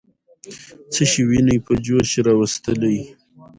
څه شی ويني په جوش راوستلې؟